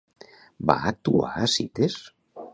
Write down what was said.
Va actuar a Cites?